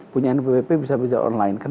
punya nbpp bisa berusaha online